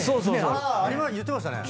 あ言ってましたね。